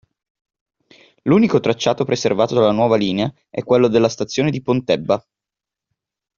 L'unico tracciato preservato dalla nuova linea è quello della stazione di Pontebba.